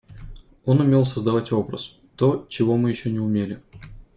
Он умел создавать образ, то, чего мы еще не умели.